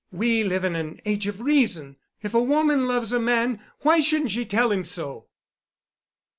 We live in an age of reason. If a woman loves a man, why shouldn't she tell him so?"